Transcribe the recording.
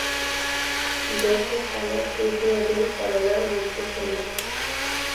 দেশে টানা তৃতীয় দিন করোনায় মৃত্যুশূন্য